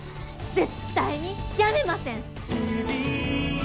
絶対にやめません！